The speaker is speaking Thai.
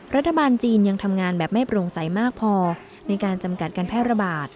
รัฐบาลจีนยังทำงานแบบไม่โปร่งใสมากพอในการจำกัดการแพร่ระบาด